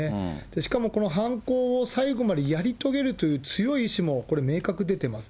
しかもこの犯行を最後までやり遂げるという強い意思も、これ、明確に出てます。